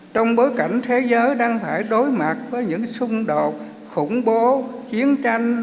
trong bối cảnh thế giới đang phải đối mặt với những xung đột khủng bố chiến tranh